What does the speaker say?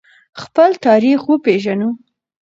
خپل تاریخ وپیژنو.